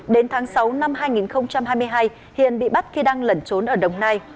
đến tháng sáu năm hai nghìn hai mươi hai hiền bị bắt khi đang lẩn trốn ở đồng nai